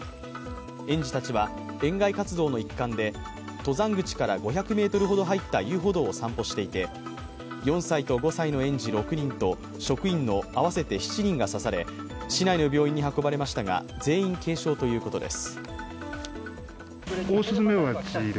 園児たちは、園外活動の一環で登山口から５００ｍほど入った遊歩道を散歩していて４歳と５歳の園児６人と職員の合わせて７人が刺され市内の病院に運ばれましたが全員軽症ということです。